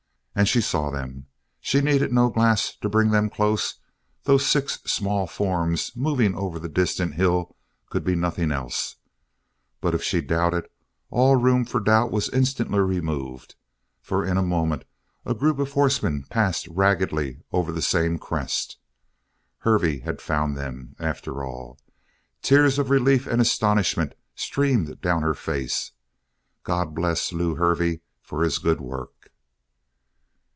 And she saw them! She needed no glass to bring them close. Those six small forms moving over the distant hill could be nothing else, but if she doubted, all room for doubt was instantly removed, for in a moment a group of horsemen passed raggedly over the same crest. Hervey had found them, after all! Tears of relief and astonishment streamed down her face. God bless Lew Hervey for this good work!